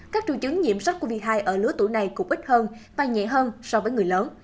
các triệu chứng nhiễm sars cov hai ở lứa tuổi này cũng ít hơn và nhẹ hơn so với người lớn